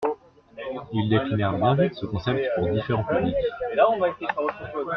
Ils déclinèrent bien vite ce concept pour différents publics.